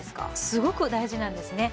すごく大事なんですね